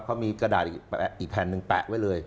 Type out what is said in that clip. เขามีกระดาษอีกแผ่นหนึ่งแปะไว้เลย